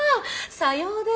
さようで！